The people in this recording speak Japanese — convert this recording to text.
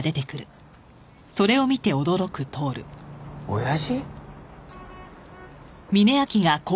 親父？